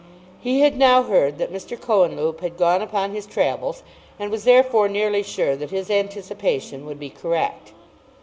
He had now heard that Mr. Cohenlupe had gone upon his travels, and was therefore nearly sure that his anticipation would be correct.